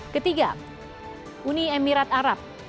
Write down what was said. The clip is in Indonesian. ketiga uni emirat arab